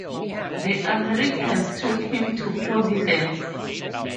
The Americans took him to Providence.